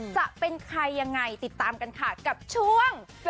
จะเป็นใครยังไงติดตามกันค่ะกับช่วง